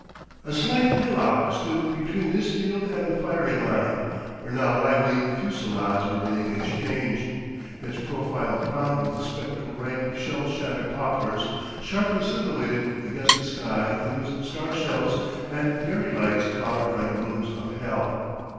A slight hillock stood between this field and the firing line where now lively fusillades were being exchanged its profile crowned with a spectral rank of shell shattered poplars sharply silhouetted against a sky in which star shells and Verey lights flowered like blooms of hell.